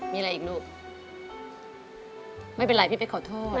มีพริก